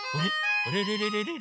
あれれれれれれ？